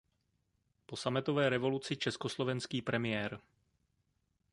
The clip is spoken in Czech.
Po sametové revoluci československý premiér.